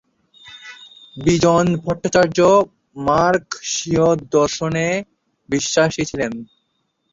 বিজন ভট্টাচার্য মার্কসীয় দর্শনে বিশ্বাসী ছিলেন।